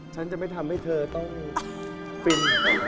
ฉันจะไม่ทำให้เธอต้องฟิน